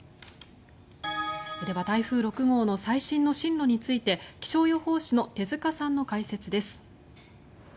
では、台風６号の最新の進路について気象予報士の手塚さんの解説です。